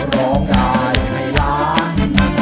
ร้องได้ให้ล้าน